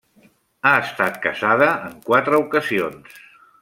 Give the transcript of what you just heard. Ha estat casada en quatre ocasions.